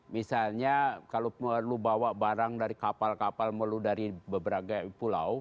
misalnya kalau perlu bawa barang dari kapal kapal melu dari beberapa pulau